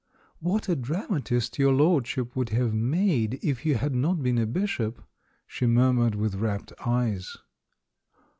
"What a dramatist your lordship would have made if you had not been a bishop!" she mur mured, with rapt eyes.